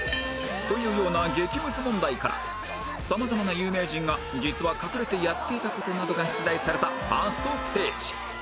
というような激ムズ問題からさまざまな有名人が実は隠れてやっていた事などが出題されたファーストステージ